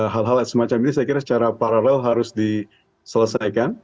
hal hal semacam ini saya kira secara paralel harus diselesaikan